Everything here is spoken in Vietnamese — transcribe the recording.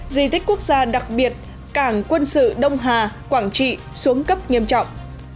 di tích quốc gia đặc biệt cảng quân sự đông hà quảng trị xuống cấp nghiêm trọng